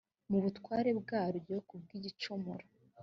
mu butware bwaryo ku bw igicumuro